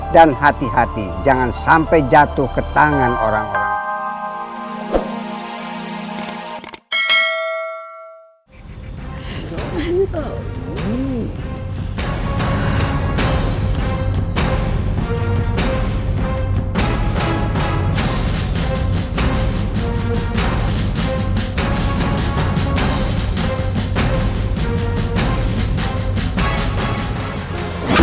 dan hati hati jangan sampai jatuh ke tangan orang orang